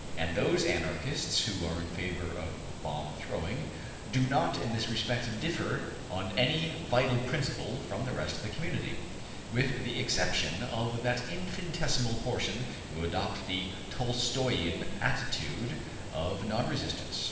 And those Anarchists who are in favor of bomb throwing do not in this respect differ on any vital principle from the rest of the community, with the exception of that infinitesimal portion who adopt the Tolstoyan attitude of non resistance.